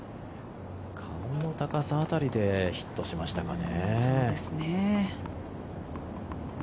顔の高さ辺りでヒットしましたかね。